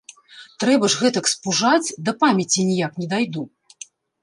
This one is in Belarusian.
Трэба ж гэтак спужаць, да памяці ніяк не дайду.